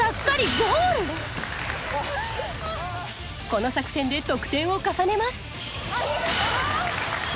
この作戦で得点を重ねます。